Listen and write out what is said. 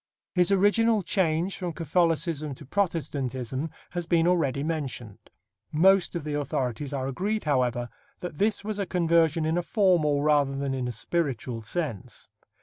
His original change from Catholicism to Protestantism has been already mentioned. Most of the authorities are agreed, however, that this was a conversion in a formal rather than in a spiritual sense.